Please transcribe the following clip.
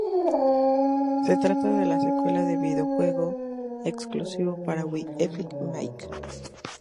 Se trata de la secuela del videojuego exclusivo para Wii "Epic Mickey".